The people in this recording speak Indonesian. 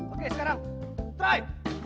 oke sekarang troy